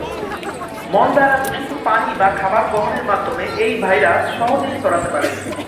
মল দ্বারা দূষিত পানি বা খাবার গ্রহণের মাধ্যমে এই ভাইরাস সহজেই ছড়াতে পারে।